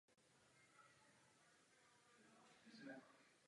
Zůstala zde žít i po připojení města Ruskému impériu.